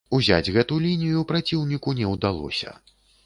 Узяць гэту лінію праціўніку не ўдалося.